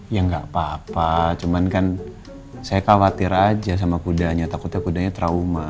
ya nggak apa apa cuman kan saya khawatir aja sama kudanya takutnya kudanya trauma